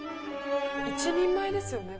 「１人前ですよね？